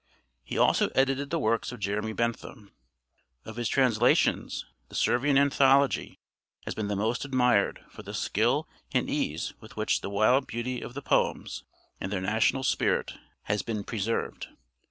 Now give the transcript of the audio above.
He also edited the works of Jeremy Bentham. Of his translations, the 'Servian Anthology' has been the most admired for the skill and ease with which the wild beauty of the poems, and their national spirit, has been preserved.